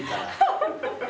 ハハハ！